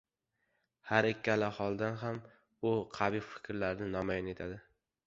har ikkala holda ham u qabih fikrlarini namoyon etadi.